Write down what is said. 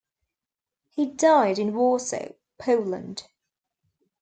He died in Warsaw, Poland.